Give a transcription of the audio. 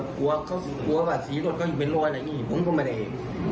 กลัวว่าศรีรถเขาอยู่เป็นร้อยอะไรอย่างนี้ผมก็ไม่ได้